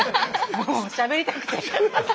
もうしゃべりたくて。